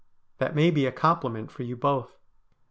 That may be a compliment for you both.